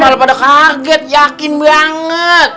kalau pada kaget yakin banget